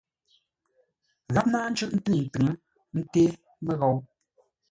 Gháp náa ncʉ́ʼ ntʉŋə-tʉŋə́ nté məghou.